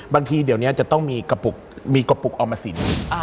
บางทีเดี๋ยวจะต้องมีกระปุกเอามาสิน